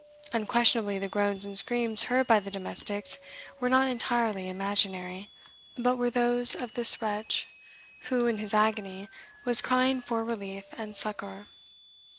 Unquestionably the groans and screams heard by the domestics were not entirely imaginary, but were those of this wretch, who, in his agony, was crying for relief and succour.